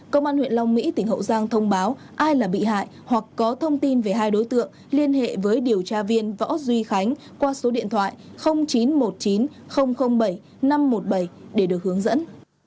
công an huyện long mỹ tỉnh hậu giang thông báo ai là bị hại hoặc có thông tin về hai đối tượng liên hệ với điều tra viên võ duy khánh qua số điện thoại chín trăm một mươi chín bảy năm trăm một mươi bảy để được hướng dẫn